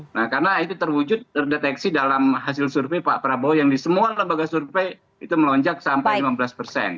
nah karena itu terwujud terdeteksi dalam hasil survei pak prabowo yang di semua lembaga survei itu melonjak sampai lima belas persen